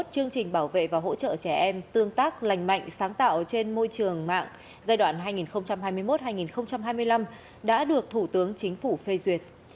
chương trình bảo vệ và hỗ trợ trẻ em tương tác lành mạnh sáng tạo trên môi trường mạng giai đoạn hai nghìn hai mươi một hai nghìn hai mươi năm đã được thủ tướng chính phủ phê duyệt